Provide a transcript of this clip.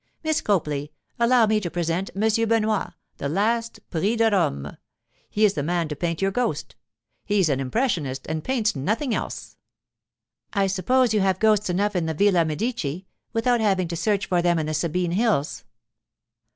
Miss Copley, allow me to present Monsieur Benoit, the last Prix de Rome—he is the man to paint your ghost. He's an impressionist and paints nothing else.' 'I suppose you have ghosts enough in the Villa Medici, without having to search for them in the Sabine hills.